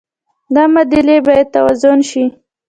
دا معادلې باید توازن شي.